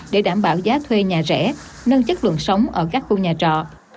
để đảm bảo giá thuê nhà rẻ nâng chất lượng sống ở các khu nhà trọ